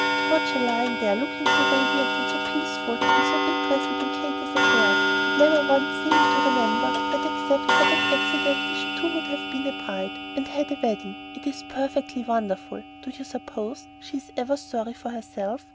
"To watch her lying there looking so radiant and so peaceful and so interested in Katy's affairs, and never once seeming to remember that except for that accident she too would have been a bride and had a wedding! It's perfectly wonderful! Do you suppose she is never sorry for herself?